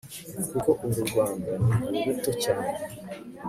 Kuko uru Rwanda ni ùruto cyane